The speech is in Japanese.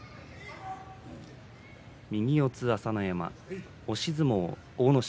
右四つ、朝乃山押し相撲、阿武咲。